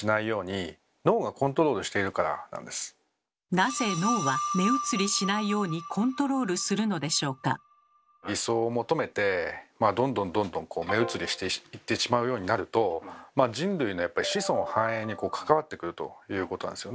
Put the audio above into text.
なぜ脳は理想を求めてどんどんどんどんこう目移りしていってしまうようになると人類のやっぱり子孫繁栄に関わってくるということなんですよね。